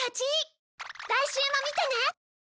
来週も見てね！